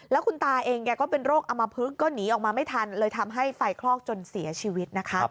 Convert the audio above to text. แล้วคุณตาเองแกก็เป็นโรคอมพลึกก็หนีออกมาไม่ทันเลยทำให้ไฟคลอกจนเสียชีวิตนะคะ